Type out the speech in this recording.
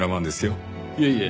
いえいえ。